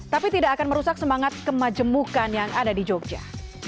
tapi tidak akan merusak semangat kemajemukan yang ada di jogja